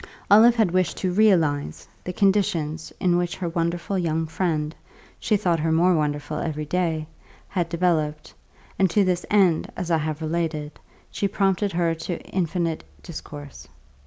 Olive had wished to "realise" the conditions in which her wonderful young friend (she thought her more wonderful every day) had developed, and to this end, as I have related, she prompted her to infinite discourse.